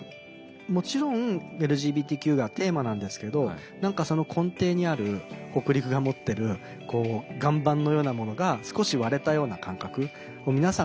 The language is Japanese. もちろんＬＧＢＴＱがテーマなんですけど何かその根底にある北陸が持ってる岩盤のようなものが少し割れたような感覚を皆さんが感じたみたいで。